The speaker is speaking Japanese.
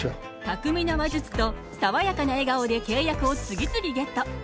巧みな話術と爽やかな笑顔で契約を次々ゲット！